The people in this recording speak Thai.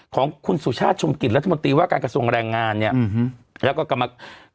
ของคุณสุชาติชมกิจรัฐมนตรีว่าการกระทรวงแรงงานเนี่ยแล้วก็กรรม